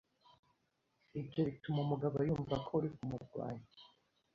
Ibyo bituma umugabo yumva ko uri kumurwanya